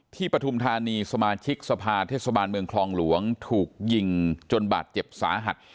ปฐุมธานีสมาชิกสภาเทศบาลเมืองคลองหลวงถูกยิงจนบาดเจ็บสาหัส